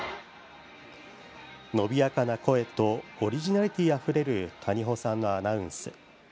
伸びやかな声とオリジナリティーあふれる谷保さんのアナウンス。